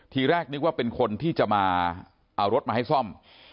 ทีแรกนึกว่าเป็นคนที่จะมาเอารถมาให้ซ่อม